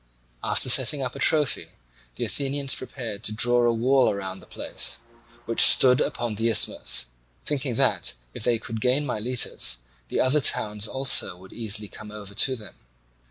After setting up a trophy, the Athenians prepared to draw a wall round the place, which stood upon an isthmus; thinking that, if they could gain Miletus, the other towns also would easily come over to them.